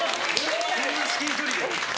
こんな至近距離で。